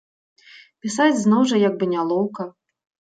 Пісаць зноў жа як бы нялоўка.